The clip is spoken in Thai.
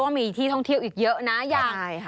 ว่ามีที่ท่องเที่ยวอีกเยอะนะ